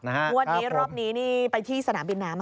วันนี้รอบนี้ไปที่สนามบินน้ำ